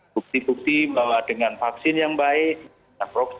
bukti bukti bahwa dengan vaksin yang baik